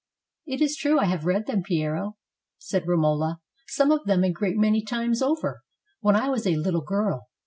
" "It is true I have read them, Piero," said Romola. " Some of them a great many times over, when I was a little girl.